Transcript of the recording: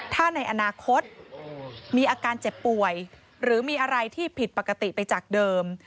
ถ้าในอนาคตมีอาการเจ็บป่วยหรือมีอะไรที่ผิดปกติไปจากเดิม